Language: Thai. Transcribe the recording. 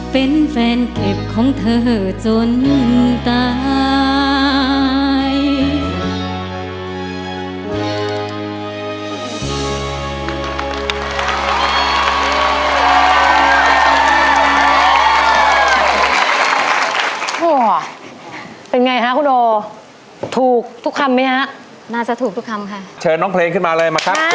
เป็นแฟนเก็บของเธอจนตาย